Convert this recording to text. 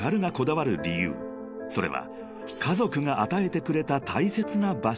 ［それは］